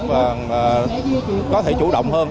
và có thể chủ động hơn